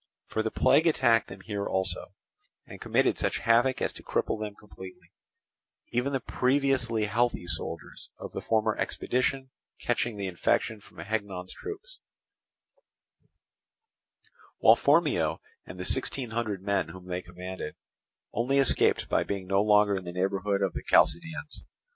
For the plague attacked them here also, and committed such havoc as to cripple them completely, even the previously healthy soldiers of the former expedition catching the infection from Hagnon's troops; while Phormio and the sixteen hundred men whom he commanded only escaped by being no longer in the neighbourhood of the Chalcidians.